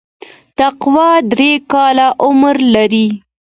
تقوا درې کاله عمر لري.